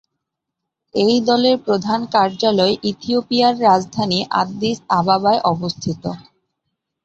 এই দলের প্রধান কার্যালয় ইথিওপিয়ার রাজধানী আদ্দিস আবাবায় অবস্থিত।